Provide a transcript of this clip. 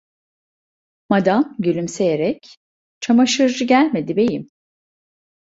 Madam gülümseyerek: "Çamaşırcı gelmedi beyim!"